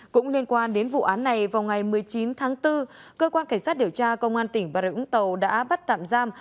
cũng liên quan đến vụ án này vào ngày một mươi chín tháng bốn cơ quan cảnh sát điều tra công an tỉnh bà rịa úng tàu đã bắt tạm giam